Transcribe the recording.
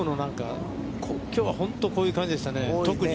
きょうは本当にこういう感じでしたね。